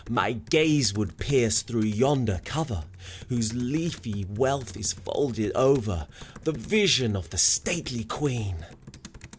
My gaze would pierce through yonder cover, Whose leafy wealth is folded over The vision of the stately Queen.